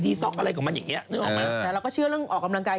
แต่เราก็เชื่อเรึงออกกำลังกาย